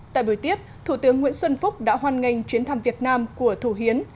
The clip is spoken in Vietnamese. tại buổi tiếp thủ tướng nguyễn xuân phúc đã hoan nghênh chuyến thăm việt nam của thủ hiến